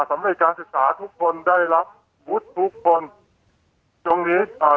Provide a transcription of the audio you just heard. สำเร็จการศึกษาทุกคนได้รับวุฒิทุกคนตรงนี้อ่า